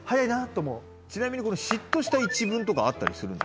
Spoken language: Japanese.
ちなみに嫉妬した一文とかあったりするんですか？